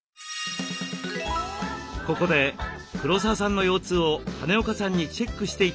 ここで黒沢さんの腰痛を金岡さんにチェックして頂きました。